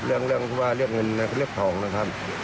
เรื่องคือว่าเรื่องเงินเรื่องทองนะครับ